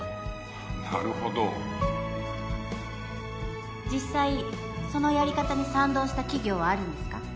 なるほど実際そのやり方に賛同した企業はあるんですか？